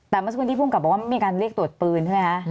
แต่เมื่อสักวันที่ผู้กับบอกว่ามีการเรียกตรวจปืน